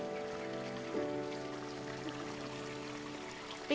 tank beratur untuk ini